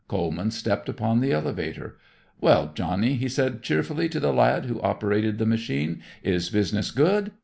Coleman stepped upon the elevator. "Well, Johnnie," he said cheerfully to the lad who operated the machine, "is business good?"